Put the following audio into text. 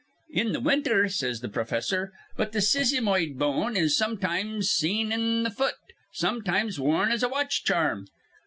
'In th' winter,' says th' profissor. 'But th' sisymoid bone is sometimes seen in th' fut, sometimes worn as a watch charm.